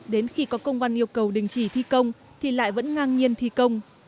đến khi có công văn yêu cầu đình chỉ thi công thì lại vẫn ngang nhiên thi công